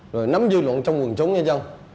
rồi nắm dư luận trong quần chúng